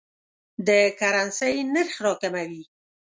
د کرنسۍ نرخ راکموي.